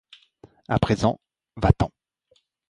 À présent, va-t'en.